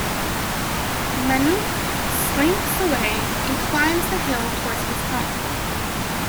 Manuk slinks away and climbs the hill towards his home.